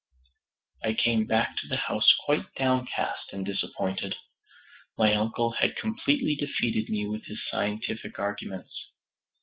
I came back to the house quite downcast and disappointed. My uncle had completely defeated me with his scientific arguments.